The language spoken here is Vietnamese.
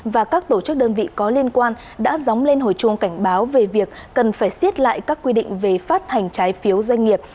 và các tổ chức đơn vị có liên quan đã dóng lên hồi chuông cảnh báo về việc cần phải xiết lại các quy định về phát hành trái phiếu doanh nghiệp